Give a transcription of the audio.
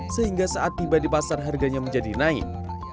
sehingga saat tiba di pasar harganya menjadi naik